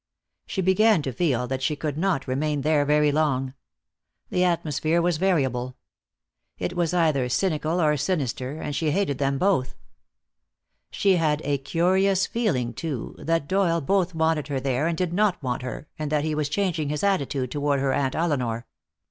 She began to feel that she could not remain there very long. The atmosphere was variable. It was either cynical or sinister, and she hated them both. She had a curious feeling, too, that Doyle both wanted her there and did not want her, and that he was changing his attitude toward her Aunt Elinor.